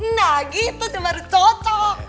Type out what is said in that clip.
nah gitu tuh baru cocok